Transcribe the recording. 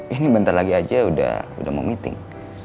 ini bentar lagi aja udah mau meeting